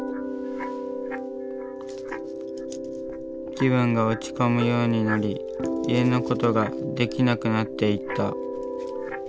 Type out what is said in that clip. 気分が落ち込むようになり家のことができなくなっていった。